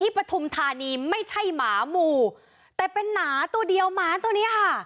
ปฐุมธานีไม่ใช่หมาหมู่แต่เป็นหมาตัวเดียวหมาตัวเนี้ยค่ะ